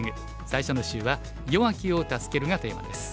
最初の週は「弱きを助ける」がテーマです。